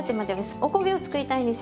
おこげを作りたいんですよ。